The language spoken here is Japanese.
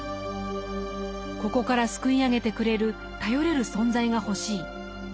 「ここから救い上げてくれる頼れる存在が欲しい」。